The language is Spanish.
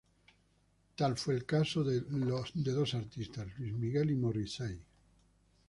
Tal fue el caso de dos artistas: Luis Miguel y Morrissey.